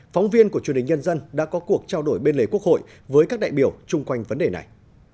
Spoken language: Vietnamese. phóng viên của truyền hình nhân dân đã có cuộc trao đổi bên lề quốc hội với các đại biểu chung quanh vấn đề này